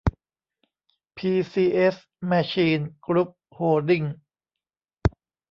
พี ซี เอส แมชีน กรุ๊ปโฮลดิ้ง